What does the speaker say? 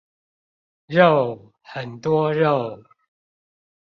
肉！很多肉！